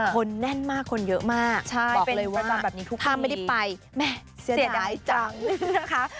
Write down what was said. คนแน่นมากคนเยอะมากบอกเลยว่าถ้าไม่ได้ไปแม่เสียดายจังนะคะ